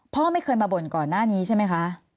พ่อไม่เคยมาบ่นก่อนหน้านี้ใช่ไหมคะ